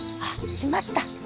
あっしまった！